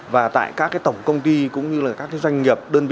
và tại các tổng công ty cũng như các doanh nghiệp